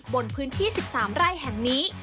บนพื้นที่๑๓ไร่แห่งนี้